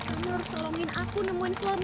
kamu harus tolongin aku nemuan suamiku